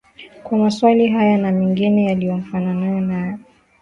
kwa maswali haya na mengine yanayofanana nayo